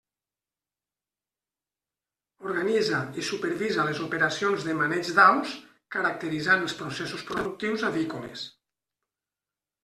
Organitza i supervisa les operacions de maneig d'aus, caracteritzant els processos productius avícoles.